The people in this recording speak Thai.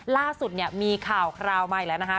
ล่าสุดเนี่ยมีข่าวคราวใหม่แล้วนะคะ